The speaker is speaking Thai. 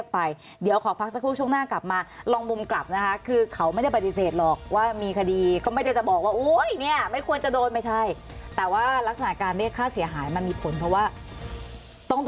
เพราะว่าต้องดูแลน้องอีก๔คนไม่ใช่น้องลูกอีก๔คน